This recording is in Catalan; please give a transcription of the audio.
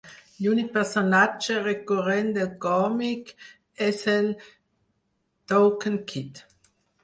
L'únic personatge recurrent del còmic és el Toucan Kid.